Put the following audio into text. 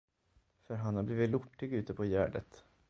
För han har blivit lortig ute på gärdet.